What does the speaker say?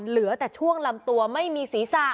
เหลือแต่ช่วงลำตัวไม่มีศีรษะ